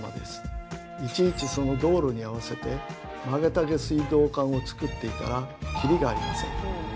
いちいちその道路に合わせて曲げた下水道管をつくっていたらきりがありません。